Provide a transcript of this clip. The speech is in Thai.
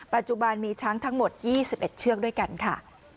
ปัจจุบันมีช้างทั้งหมด๒๑เชือกด้วยกันค่ะ